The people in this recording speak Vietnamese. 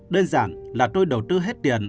đơn giản là tôi đầu tư hết tiền